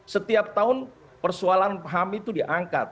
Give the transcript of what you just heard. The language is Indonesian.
setiap tahun persoalan ham itu diangkat